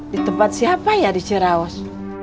di tempat siapa ya di cirawas